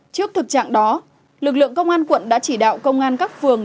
trước thực trạng đó lực lượng công an quận đã chỉ đạo công an các phường